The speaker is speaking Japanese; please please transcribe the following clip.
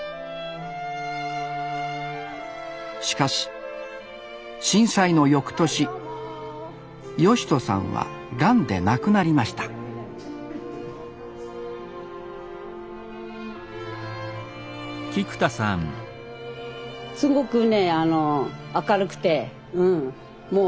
しかし震災のよくとし義人さんはがんで亡くなりましたすごくね明るくてうん。